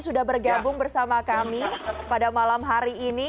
sudah bergabung bersama kami pada malam hari ini